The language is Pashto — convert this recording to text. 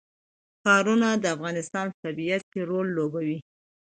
ښارونه د افغانستان په طبیعت کې رول لوبوي.